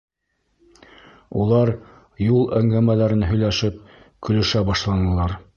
- Улар, юл әңгәмәләрен һөйләшеп, көлөшә башланылар.